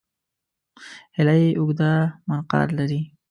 هیلۍ اوږده منقار لري